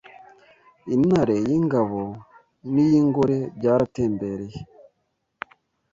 intare y’ingabo n’iy’ingore byaratemberanye